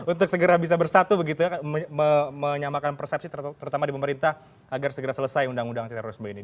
untuk segera bisa bersatu begitu ya menyamakan persepsi terutama di pemerintah agar segera selesai undang undang anti terorisme ini